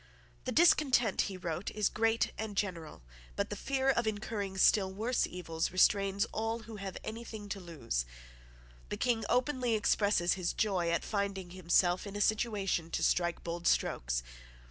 "The discontent," he wrote, "is great and general: but the fear of incurring still worse evils restrains all who have anything to lose. The King openly expresses his joy at finding himself in a situation to strike bold strokes.